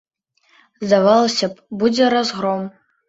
Здавалася б, будзе разгром.